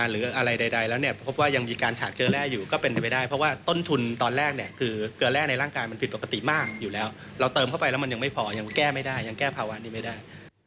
เราเติมเข้าไปแล้วมันยังไม่พอยังแก้ไม่ได้ยังแก้ภาวะนี้ไม่ได้